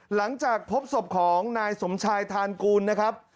หลังจากพบศพของนายสมชายทานกูลนะครับ